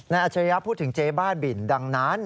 อัจฉริยะพูดถึงเจ๊บ้าบินดังนั้น